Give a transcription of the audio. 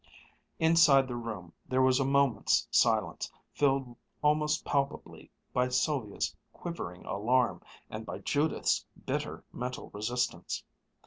Inside the room there was a moment's silence, filled almost palpably by Sylvia's quivering alarm, and by Judith's bitter mental resistance.